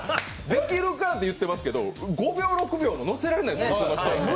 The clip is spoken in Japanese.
できるかーって言ってますけど、５秒、６秒も乗せられない、普通の人は。